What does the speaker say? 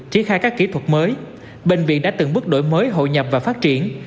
triển khai các kỹ thuật mới bệnh viện đã từng bước đổi mới hội nhập và phát triển